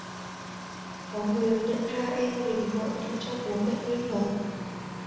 có người nhận ra em liền bảo gọi điện cho bố mẹ lên đón